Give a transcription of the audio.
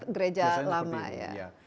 gereja lama ya